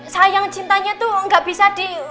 sayang cintanya tuh gak bisa di